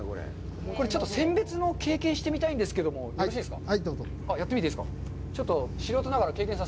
これちょっと選別の経験、してみたいんですけど、いいですか。